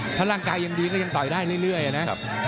ถ้าร่างกายยังดีก็ยังต่อยได้เรื่อยนะ